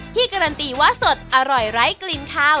การันตีว่าสดอร่อยไร้กลิ่นข้าว